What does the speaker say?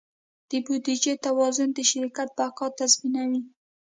د بودیجې توازن د شرکت بقا تضمینوي.